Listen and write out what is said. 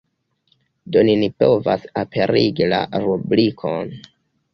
Do ni ne povas aperigi la rubrikon.